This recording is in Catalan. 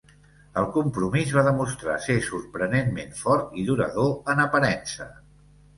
El compromís va demostrar ser sorprenentment fort i durador en aparença.